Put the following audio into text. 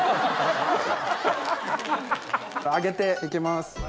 揚げて行きます。